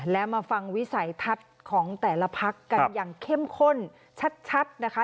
และมาฟังวิสัยทัศน์ของแต่ละพักกันอย่างเข้มข้นชัดนะคะ